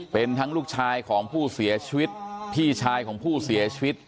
เป็นทั้งลูกชายของผู้เสียชีวิตพี่ชายของผู้เสียชีวิต